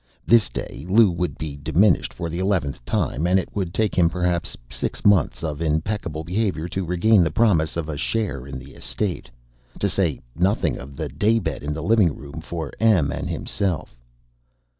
This day, Lou would be disinherited for the eleventh time, and it would take him perhaps six months of impeccable behavior to regain the promise of a share in the estate. To say nothing of the daybed in the living room for Em and himself.